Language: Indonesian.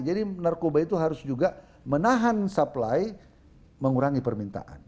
jadi narkoba itu harus juga menahan supply mengurangi permintaan